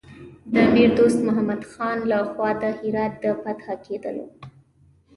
د امیر دوست محمد خان له خوا د هرات د فتح کېدلو.